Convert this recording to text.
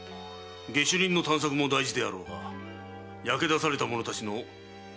下手人の探索も大事であろうが焼け出された者たちの救済を第一にな。